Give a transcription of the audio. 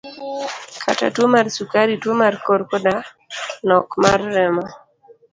Kaka tuo mar sukari, tuo mar kor koda nok mar remo.